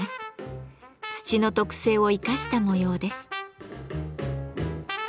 土の特性を生かした模様です。